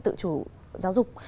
tự chủ giáo dục